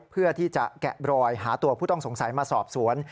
เพื่อที่จะแกะรอยหาตัวผู้ต้องสงสัยมาสอบสวน